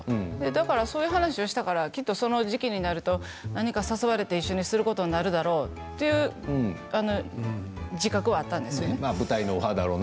だから、そういう話をしたからその時期になると何か誘われて一緒にすることになるだろうという自覚はあったんですね。